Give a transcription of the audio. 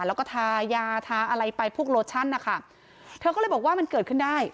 แล้วก็ทายาทาอะไรไปพวกโลชั่นนะคะเธอก็เลยบอกว่ามันเกิดขึ้นได้